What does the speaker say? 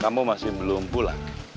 kamu masih belum pulang